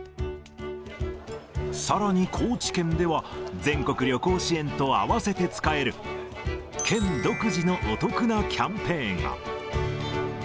さらに高知県では、全国旅行支援と併せて使える県独自のお得なキャンペーンが。